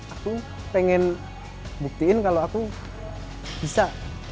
aku pengen buktiin kalau aku bisa